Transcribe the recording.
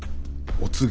お告げ？